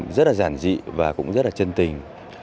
rất là giản dị và cũng rất là chân tình